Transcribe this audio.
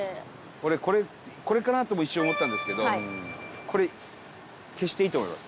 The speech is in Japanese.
俺、これかなとも一瞬思ったんですけどこれ消していいと思います。